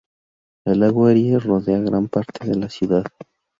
El lago Erie rodea gran parte de la ciudad.